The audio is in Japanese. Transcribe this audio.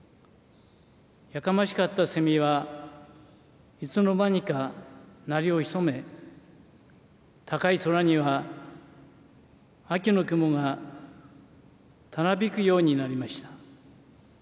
やかましかったセミはいつのまにか鳴りを潜め、高い空には秋の雲がたなびくようになりました。